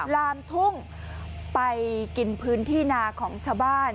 ลามทุ่งไปกินพื้นที่นาของชาวบ้าน